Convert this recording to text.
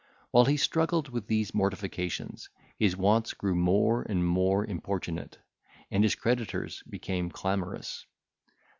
While he struggled with these mortifications, his wants grew more and more importunate, and his creditors became clamorous.